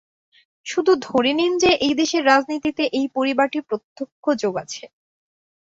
শুধু ধরে নিন যে, এই দেশের রাজনীতিতে এই পরিবারটির প্রত্যক্ষ যোগ আছে।